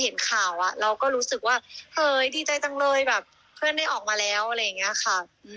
เห็นข่าวเราก็รู้สึกว่าเฮ้ยดีใจจังเลยแบบเพื่อนได้ออกมาแล้วอะไรอย่างนี้ค่ะ